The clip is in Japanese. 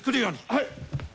はい。